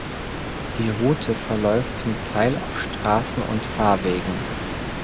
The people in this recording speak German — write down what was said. Die Route verläuft zum Teil auf Straßen und Fahrwegen.